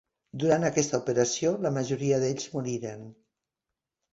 Durant aquesta operació, la majoria d'ells moriren.